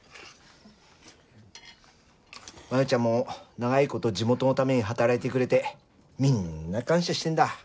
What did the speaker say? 真夢ちゃんも長い事地元のために働いてくれてみんな感謝してんだ。